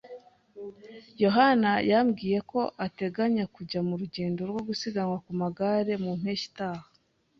yohani yambwiye ko ateganya kujya mu rugendo rwo gusiganwa ku magare mu mpeshyi itaha.